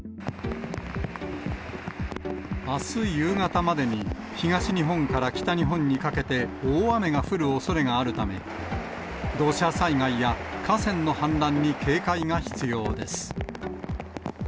あす夕方までに東日本から北日本にかけて、大雨が降るおそれがあるため、土砂災害や河川の氾濫に警戒が必要です。